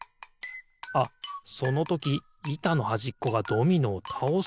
あっそのときいたのはじっこがドミノをたおすのかな？